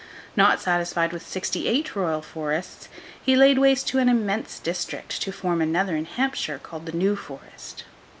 Not satisfied with sixty eight Royal Forests, he laid waste an immense district, to form another in Hampshire, called the New Forest.